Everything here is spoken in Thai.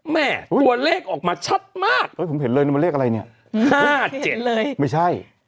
แม่ตัวเลขออกมาชัดมากเฮ้ยผมเห็นเลยเลขอะไรเนี่ยห้าเจ็ดไม่ใช่